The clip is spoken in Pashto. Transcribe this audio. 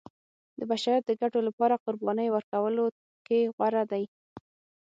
د بشریت د ګټو لپاره قربانۍ ورکولو کې غوره دی.